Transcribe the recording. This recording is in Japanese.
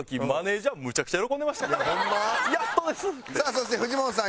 そしてフジモンさん